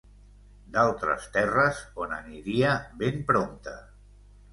D’altres terres on aniria ben prompte.